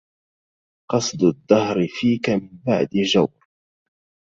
قصد الدهر فيك من بعد جور